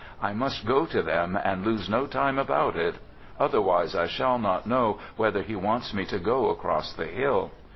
I must go to them and lose no time about it, otherwise I shall not know whether he wants me to go across the hill.